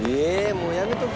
もうやめとき」